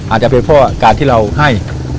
อาจจะเป็นเพราะการที่เราให้